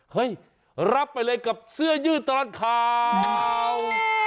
รับไปเลยกับเสื้อยืดตลอดข่าว